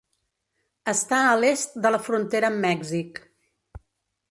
Està a l'est de la frontera amb Mèxic.